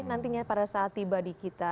nantinya pada saat tiba di kita